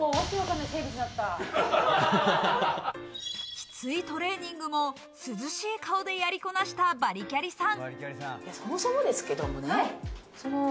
きついトレーニングも、涼しい顔でやりこなしたバリキャリさん。